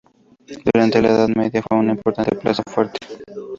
Durante la Edad Media fue una importante plaza fuerte.